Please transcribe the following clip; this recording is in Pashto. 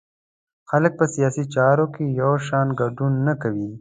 خلک په سیاسي چارو کې یو شان ګډون نه کوي.